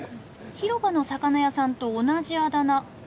広場の魚屋さんと同じあだ名。